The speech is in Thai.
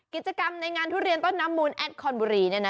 กิจกรรมในงานทุเรียนต้นน้ำมูลแอดคอนบุรี